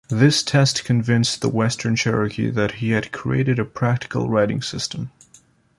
This test convinced the western Cherokee that he had created a practical writing system.